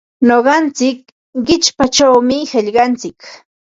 Nuqantsik qichpachawmi qillqantsik.